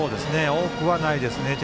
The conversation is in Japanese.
多くはないですね。